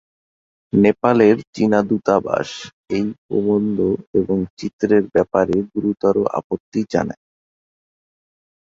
নেপালের চীনা দূতাবাস এই প্রবন্ধ এবং চিত্রের ব্যাপারে গুরুতর আপত্তি জানায়।